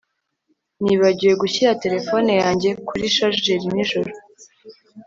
nibagiwe gushyira terefone yanjye kuri charger nijoro